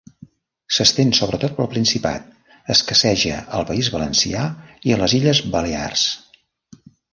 S'estén sobretot pel Principat; escasseja al País Valencià i a les illes Balears.